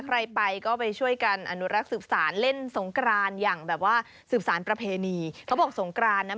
ใครไปก็ไปช่วยกันอนุรักษ์ศึกษาน